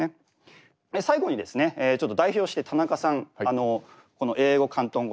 最後にですねちょっと代表して田中さんこの英語広東語